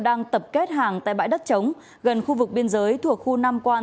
đang tập kết hàng tại bãi đất chống gần khu vực biên giới thuộc khu nam quan